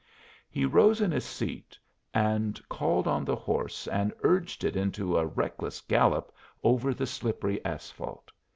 He rose in his seat and called on the horse, and urged it into a reckless gallop over the slippery asphalt.